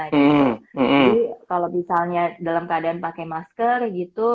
jadi kalau misalnya dalam keadaan pakai masker gitu